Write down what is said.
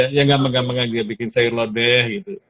bukan enggak menggambar saja bikin sayur lodeh gitu